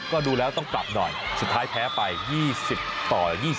ก็ดูแล้วต้องปรับหน่อยสุดท้ายแพ้ไป๒๐ต่อ๒๐